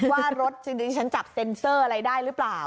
ว่ารถจริงฉันจับเซ็นเซอร์อะไรได้หรือเปล่า